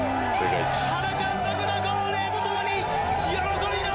・・原監督の号令とともに喜びの！